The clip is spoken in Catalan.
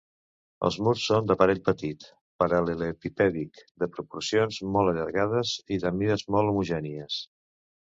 Els murs són d'aparell petit, paral·lelepipèdic, de proporcions molt allargades i de mides molt homogènies.